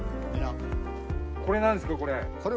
これ何ですかこれ？